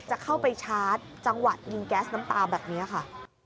จะเข้าไปชาร์จจังหวะยิงแก๊สน้ำตาแบบนี้ค่ะ